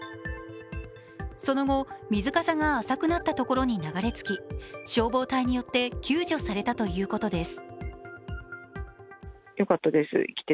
その後、水かさが浅くなったところに流れ着き消防隊によって救助されたということです。